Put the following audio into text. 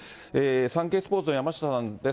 サンケイスポーツの山下さんです。